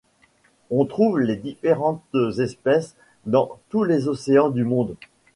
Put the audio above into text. On trouve les différentes espèces dans tous les océans du monde.